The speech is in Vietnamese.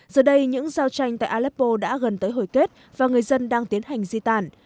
giờ đây những giao tranh tại aleppo đã gần tới hồi kết và người dân đang tiến hành di tản